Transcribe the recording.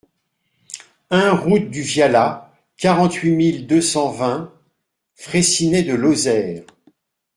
un route du Viala, quarante-huit mille deux cent vingt Fraissinet-de-Lozère